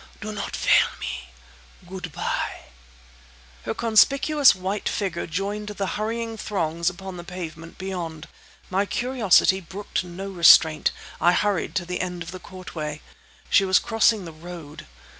Do not fail me. Good bye!" Her conspicuous white figure joined the hurrying throngs upon the pavement beyond. My curiosity brooked no restraint. I hurried to the end of the courtway. She was crossing the road.